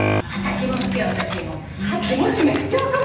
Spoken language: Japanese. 気持ちめっちゃ分かるでしょ。